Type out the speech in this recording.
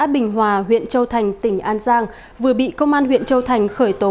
bình hòa huyện châu thành tỉnh an giang vừa bị công an huyện châu thành khởi tố